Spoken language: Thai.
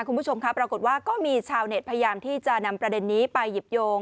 คุณผู้ชมครับปรากฏว่าก็มีชาวเน็ตพยายามที่จะนำประเด็นนี้ไปหยิบโยง